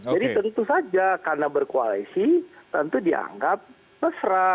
jadi tentu saja karena berkoalisi tentu dianggap mesra